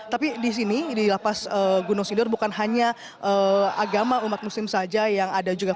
tapi di sini di lapas gunung sindur bukan hanya agama umat muslim saja yang ada juga